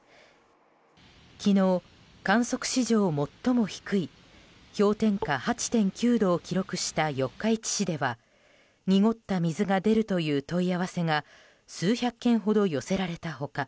昨日、観測史上最も低い氷点下８．９度を記録した四日市市では濁った水が出るという問い合わせが数百件ほど寄せられた他